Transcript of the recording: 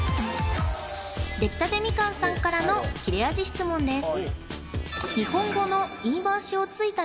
できたてミカンさんからの切れ味質問です